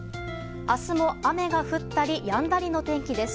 明日も雨が降ったりやんだりの天気です。